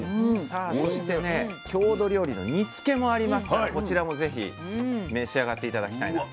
さあそしてね郷土料理の煮つけもありますからこちらもぜひ召し上がって頂きたいなと。